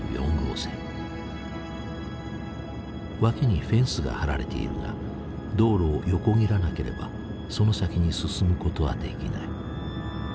脇にフェンスが張られているが道路を横切らなければその先に進むことはできない。